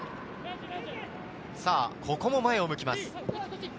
ここも前を向きます。